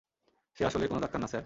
সে আসলে কোনো ডাক্তার না, স্যার।